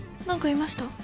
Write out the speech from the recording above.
何か言いました？